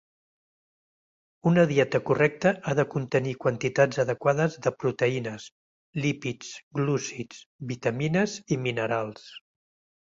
Una dieta correcta ha de contenir quantitats adequades de proteïnes, lípids, glúcids, vitamines i minerals.